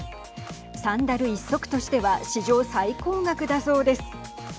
サンダル一足としては史上最高額だそうです。